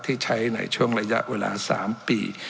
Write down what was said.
ที่ใช้ในช่วงระยะเวลา๓ปี